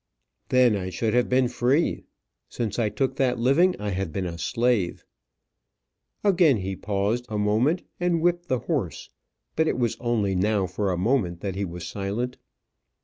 "Then I should have been free. Since I took that living, I have been a slave." Again he paused a moment, and whipped the horse; but it was only now for a moment that he was silent.